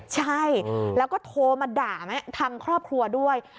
ใช่แล้วก็โทรมาด่าทางครอบครัวด้วย